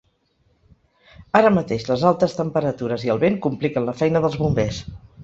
Ara mateix les altes temperatures i el vent compliquen la feina dels bombers.